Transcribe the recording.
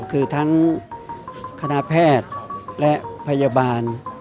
คือทั้งคณะแพทย์และพยาบาล